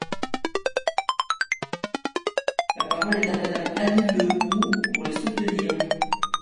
La parole est à Madame Annie Le Houerou, pour les soutenir.